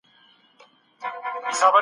له نارووا کړنو څخه ځان ساتل تقوا ده.